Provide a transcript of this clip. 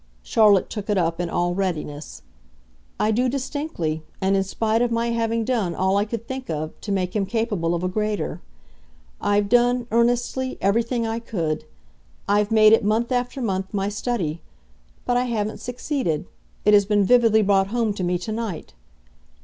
Charlotte took it up in all readiness. "I do distinctly and in spite of my having done all I could think of to make him capable of a greater. I've done, earnestly, everything I could I've made it, month after month, my study. But I haven't succeeded it has been vividly brought home to me to night.